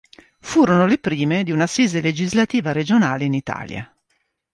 Furono le prime di un'assise legislativa regionale in Italia.